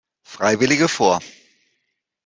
Freiwillige vor!